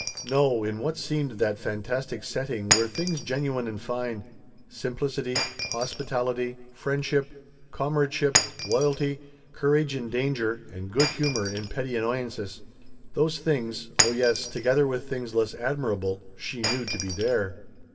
No, in what seemed that fantastic setting were things genuine and fine: simplicity, hospitality, friendship, comradeship, loyalty, courage in danger and good humor in petty annoyances. Those things oh yes, together with things less admirable she knew to be there.